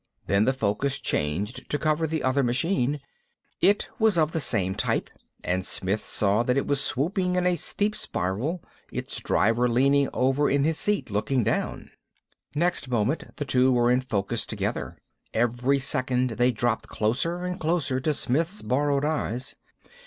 Then the focus changed to cover the other machine. It was of the same type; and Smith saw that it was swooping in a steep spiral, its driver leaning over in his seat, looking down. Next moment the two were in focus together. Every second they dropped closer and closer to Smith's borrowed eyes.